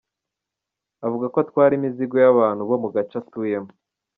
Avuga ko atwara imizigo y’abantu bo mu gace atuyemo.